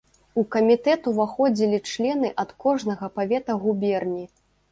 У камітэт уваходзілі члены ад кожнага павета губерні.